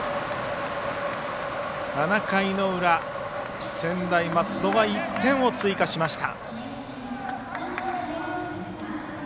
７回の裏、専大松戸が１点を追加しました。